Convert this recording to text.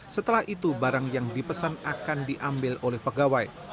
setelah itu barang yang dipesan akan diambil oleh pegawai